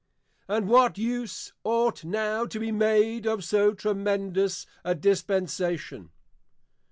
And what use ought now to be made of so tremendous a dispensation?